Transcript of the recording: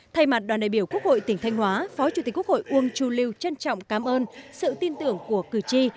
thay mặt đoàn đại biểu quốc hội tỉnh thanh hóa phó chủ tịch quốc hội uông chu lưu trân trọng cảm ơn sự tin tưởng của cử tri